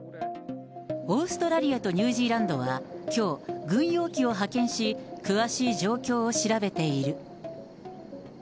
オーストラリアとニュージーランドはきょう、軍用機を派遣し、詳しい状況を調べている。